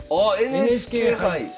ＮＨＫ杯！